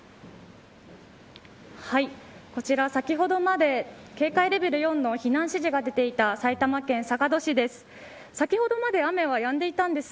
はい、こちら先ほどまで警戒レベル４の避難指示が出ていた埼玉県坂戸市です。